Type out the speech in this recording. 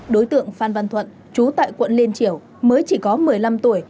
đối tượng phan văn thuận chú tại quận liên triểu mới chỉ có một mươi năm tuổi